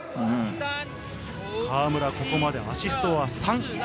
河村、ここまでアシストは３。